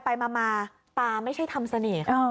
ไปมาตาไม่ใช่ทำเสน่ห์